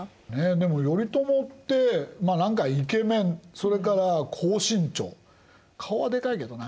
でも頼朝ってまあ何かイケメンそれから高身長顔はでかいけどな。